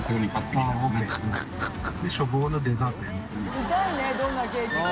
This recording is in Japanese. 見たいねどんなケーキか。